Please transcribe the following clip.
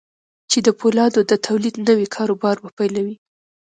چې د پولادو د توليد نوي کاروبار به پيلوي.